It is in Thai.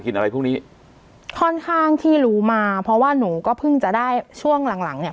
อะไรพวกนี้ค่อนข้างที่รู้มาเพราะว่าหนูก็เพิ่งจะได้ช่วงหลังหลังเนี้ย